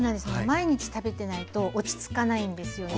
毎日食べてないと落ち着かないんですよね。